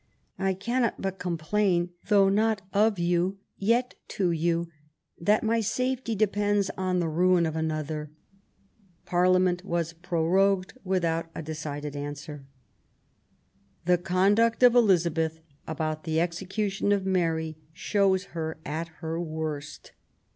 I cannot but complain, though not of you, yet to you, that my safety depends on the ruin of another." Parliament was prorogued without a decided answer. The conduct of Elizabeth about the execution of Mary shows her at her worst.